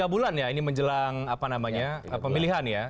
tiga bulan ya ini menjelang pemilihan ya